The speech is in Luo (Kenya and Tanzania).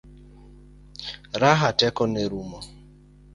Raha teko ne norumo.